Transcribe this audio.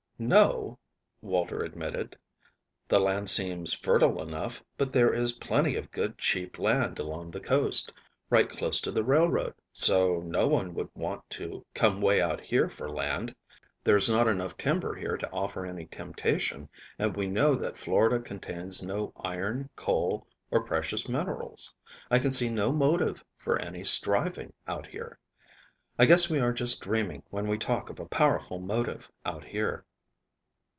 "No," Walter admitted. "The land seems fertile enough, but there is plenty of good cheap land along the coast, right close to the railroad, so no one would want to come way out here for land. There is not enough timber here to offer any temptation, and we know that Florida contains no iron, coal, or precious minerals. I can see no motive for any striving out here. I guess we are just dreaming when we talk of a powerful motive out here."